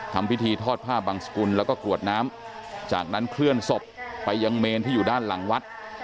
ทำพิธีทอดผ้าบังสกุลแล้วก็กรวดน้ำจากนั้นเคลื่อนศพไปยังเมนที่อยู่ด้านหลังวัด